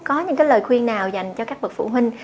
có những lời khuyên nào dành cho các bậc phụ huynh